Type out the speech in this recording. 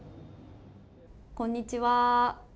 こんにちは。